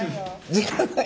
時間ない。